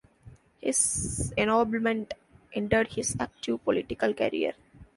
His ennoblement ended his active political career.